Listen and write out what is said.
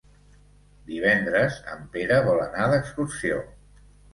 Divendres en Pere vol anar d'excursió.